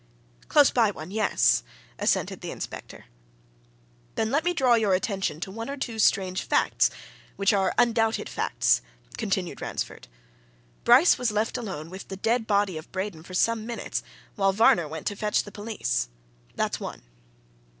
"Close by one yes," assented the inspector. "Then let me draw your attention to one or two strange facts which are undoubted facts," continued Ransford. "Bryce was left alone with the dead body of Braden for some minutes, while Varner went to fetch the police. That's one."